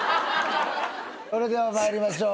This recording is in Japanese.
それでは参りましょう。